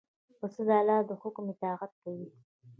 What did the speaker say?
پسه د الله د حکم اطاعت کوي.